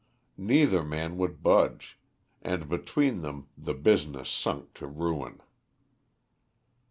Neither man would budge, and between them the business sunk to ruin.